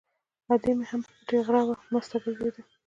ادې مې هم په پټي غره وه، مسته ګرځېده.